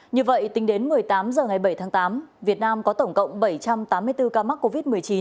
như vậy tính đến một mươi tám h ngày bảy tháng tám việt nam có tổng cộng bảy trăm tám mươi bốn ca mắc covid một mươi chín